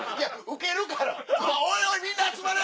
ウケるからおいおいみんな集まれ！